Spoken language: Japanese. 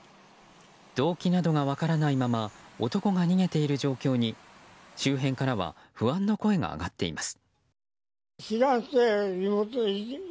動機などが分からないまま男が逃げている状況に周辺からは不安の声が上がっています。